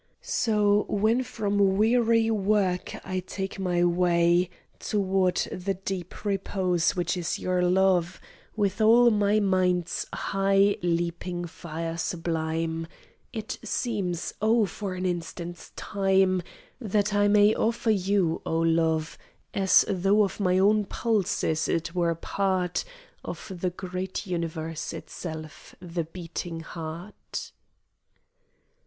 So, when from weary work I take my way, Toward the deep repose which is your love, With all my mind's high leaping fire sublime, It seems oh, for an instant's time That I may offer you, oh love, As though of my own pulses it were part, Of the great universe itself, the beating heart.